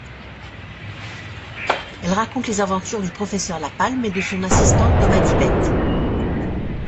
Elle raconte les aventures du professeur La Palme et de son assistant Thomas Dibbet.